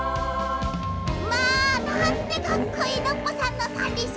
まあなんてかっこいいノッポさんのさんりんしゃ。